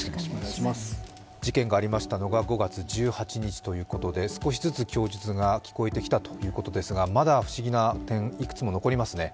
事件がありましたのが５月１８日というとで少しずつ供述が聞こえてきたということですが、まだ不思議な点、いくつも残りますね。